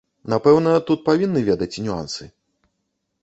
Напэўна, тут павінны ведаць нюансы.